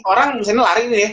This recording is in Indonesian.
orang misalnya lari nih